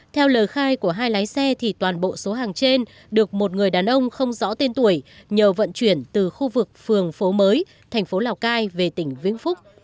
theo lời khai của hai lái xe thì toàn bộ số hàng trên được một người đàn ông không rõ tên tuổi nhờ vận chuyển từ khu vực phường phố mới thành phố lào cai về tỉnh vĩnh phúc